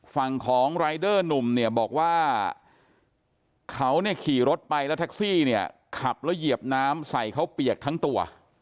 ฝั่งของรายเดอร์หนุ่มเนี่ยบอกว่าเขาเนี่ยขี่รถไปแล้วแท็กซี่เนี่ยขับแล้วเหยียบน้ำใส่เขาเปียกทั้งตัว